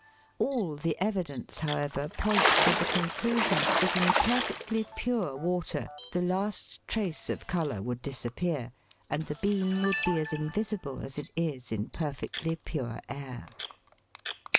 All the evidence, however, points to the conclusion that in perfectly pure water the last trace of colour would disappear, and the beam would be as invisible as it is in perfectly pure air.